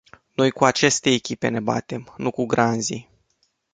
Noi cu aceste echipe ne batem, nu cu granzii.